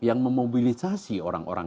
yang memobilisasi orang orang